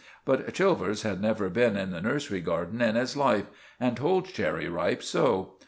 But Chilvers had never been in the nursery garden in his life, and told Cherry Ripe so.